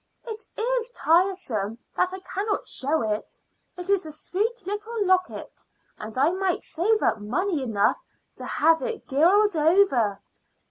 "It is tiresome that I cannot show it. It is a sweet little locket, and I might save up money enough to have it gilded over.